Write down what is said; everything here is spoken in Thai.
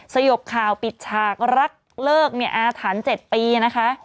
สยบข่าวปิดฉากรักเลิกอาถรรพ์๗ปีนะคะ